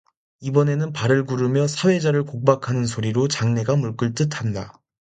이번에는 발을 구르며 사회자를 공박하는 소리로 장내가 물끓듯 한다.